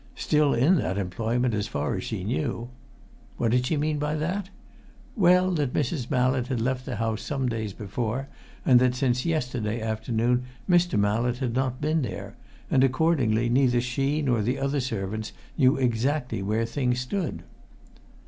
Still in that employment, as far as she knew. What did she mean by that? Well, that Mrs. Mallett had left the house some days before, and that since yesterday afternoon Mr. Mallett had not been there, and, accordingly, neither she nor the other servants knew exactly how things stood.